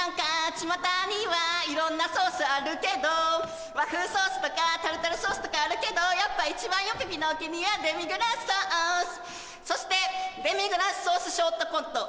ちまたには色んなソースあるけど和風ソースとかタルタルソースとかあるけどやっぱ一番よぴぴのお気に入りはデミグラスソースそしてデミグラスソースショートコント